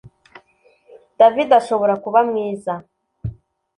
David ashobora kuba mwiza